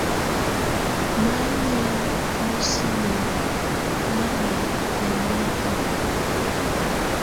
Mamɛ̀á mǝ́sinǝ́ mà lɛ̀ tɛ̀hianatɔ.